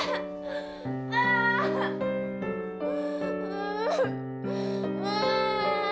yang di padahal main main filthy